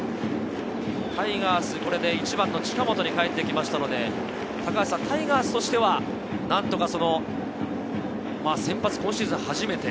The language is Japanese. タイガース、これで１番の近本にかえってきましたので、タイガースとしては何とか先発、今シーズン初めて。